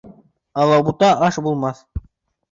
Алабута аш булмаҫ